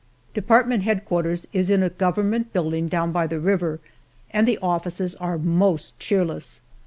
Department Headquarters is in a government building down by the river, and the offices are most cheerless.